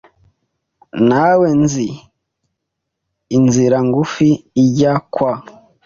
Naweri nzi inzira ngufi ijya kwa .